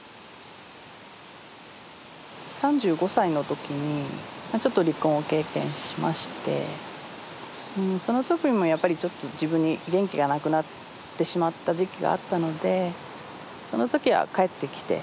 ３５歳の時にちょっと離婚を経験しましてその時にもやっぱりちょっと自分に元気がなくなってしまった時期があったのでその時は帰ってきて。